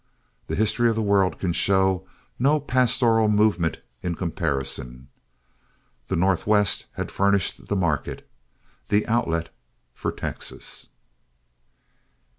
The history of the world can show no pastoral movement in comparison. The Northwest had furnished the market the outlet for Texas.